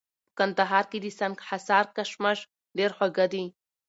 په کندهار کي د سنګحصار کشمش ډېر خواږه دي